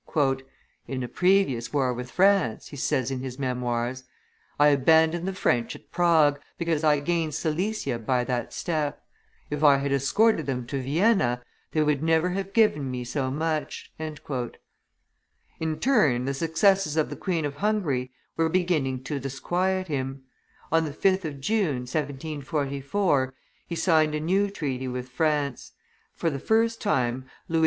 "In a previous war with France," he says in his memoirs, "I abandoned the French at Prague, because I gained Silesia by that step. If I had escorted them to Vienna, they would never have given me so much." In turn the successes of the Queen of Hungary were beginning to disquiet him; on the 5th of June, 1744, he signed a new treaty with France; for the first time Louis XV.